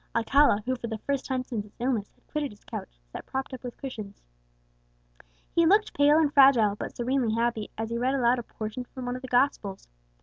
Alcala, who for the first time since his illness had quitted his couch, sat propped up with cushions. He looked pale and fragile, but serenely happy, as he read aloud a portion from one of the Gospels.